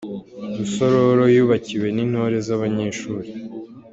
Rusororo Yubakiwe n’intore z’abanyeshuri